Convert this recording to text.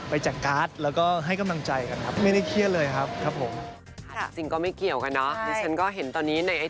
แล้วนาจะออกงานวันอาทิตย์นี้นะ